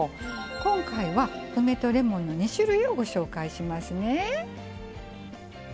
今回は梅とレモンの２種類をご紹介しますね。